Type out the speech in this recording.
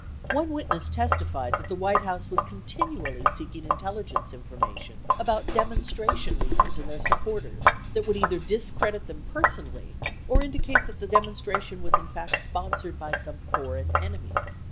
51 One witness testified that the White House was continually seeking intelligence information about demonstration leaders and their sup porters that would either discredit them personally or indicate that the demonstration was in fact sponsored by some foreign enemy.